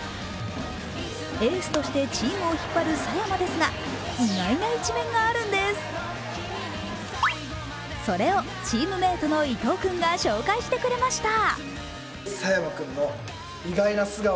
エースとしてチームを引っ張る佐山ですが、意外な一面があるんですそれをチームメートの伊藤君が紹介してくれました。